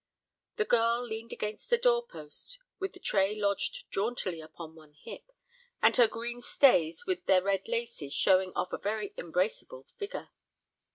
The girl leaned against the door post with the tray lodged jauntily upon one hip, and her green stays with their red laces showing off a very embraceable figure.